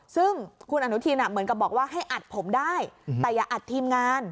ซึ่งคุณอนุทินเหมือนกับบอกว่าให้อัดผมได้แต่อย่าอัดทีมงาน